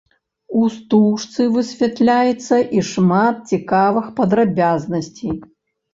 У стужцы высвятляецца і шмат цікавых падрабязнасцей.